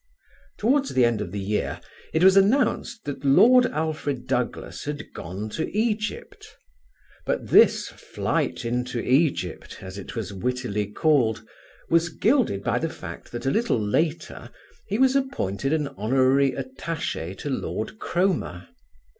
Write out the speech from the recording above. Towards the end of the year it was announced that Lord Alfred Douglas had gone to Egypt; but this "flight into Egypt," as it was wittily called, was gilded by the fact that a little later he was appointed an honorary attaché to Lord Cromer.